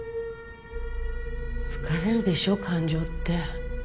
疲れるでしょう感情って。